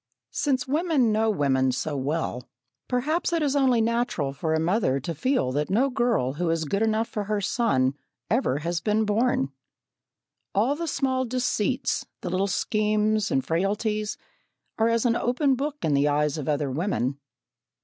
Since women know women so well, perhaps it is only natural for a mother to feel that no girl who is good enough for her son ever has been born. All the small deceits, the little schemes and frailties, are as an open book in the eyes of other women.